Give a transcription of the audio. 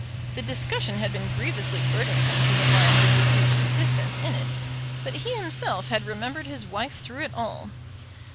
The discussion had been grievously burdensome to the minds of the Duke's assistants in it, but he himself had remembered his wife through it all.